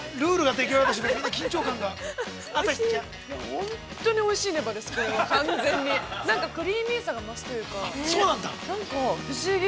◆本当においしいねばです、完全に、なんかクリーミーさが増すというか、何か、不思議。